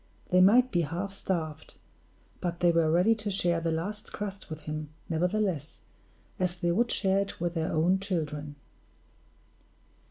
They might be half starved, but they were ready to share the last crust with him, nevertheless, as they would share it with their own children.